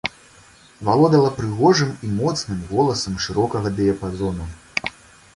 Валодала прыгожым і моцным голасам шырокага дыяпазону.